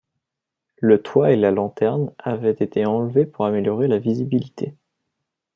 Le toit et la lanterne avaient été enlevés pour améliorer la visibilité.